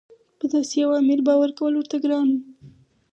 په داسې یوه امیر باور کول ورته ګران وو.